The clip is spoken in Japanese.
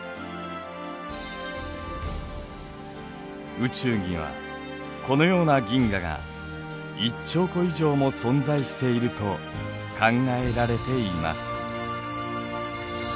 宇宙にはこのような銀河が１兆個以上も存在していると考えられています。